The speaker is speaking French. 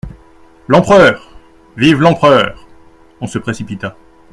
L'Empereur !… vive l'Empereur !… On se précipita.